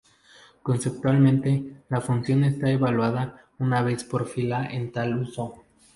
Conceptualmente, la función está evaluada una vez por fila en tal uso.